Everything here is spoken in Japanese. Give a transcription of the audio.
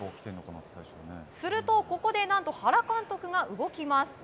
すると、ここで何と原監督が動きます。